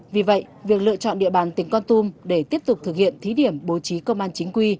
vì vậy việc lựa chọn địa bàn tỉnh con tum để tiếp tục thực hiện thí điểm bố trí công an chính quy